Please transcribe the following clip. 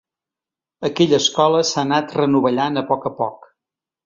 Aquella escola s'ha anat renovellant a poc a poc.